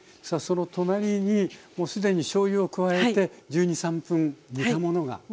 さあその隣にもう既にしょうゆを加えて１２１３分煮たものが。